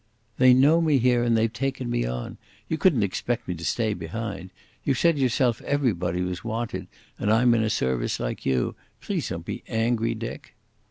"They know me here and they've taken me on. You couldn't expect me to stay behind. You said yourself everybody was wanted, and I'm in a Service like you. Please don't be angry, Dick."